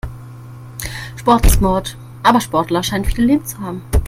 Sport ist Mord, aber Sportler scheinen viele Leben zu haben.